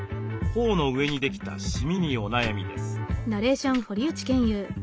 頬の上にできたシミにお悩みです。